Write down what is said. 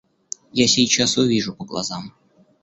Я сейчас увижу по глазам.